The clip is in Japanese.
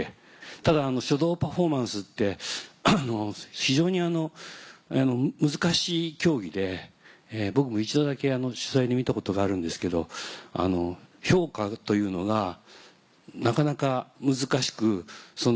ただ書道パフォーマンスって非常に難しい競技で僕も一度だけ見たことがあるんですけど評価というのがなかなか難しく。